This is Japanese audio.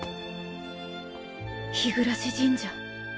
日暮神社